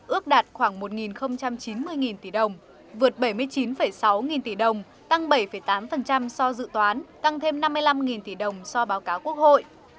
ước đạt khoảng một chín mươi tỷ đồng vượt bảy mươi chín sáu nghìn tỷ đồng tăng bảy tám so dự toán tăng thêm năm mươi năm tỷ đồng so báo cáo quốc hội